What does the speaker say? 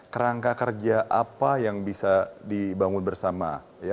kerangka kerja apa yang bisa dibangun bersama